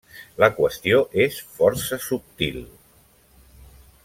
La qüestió és força subtil.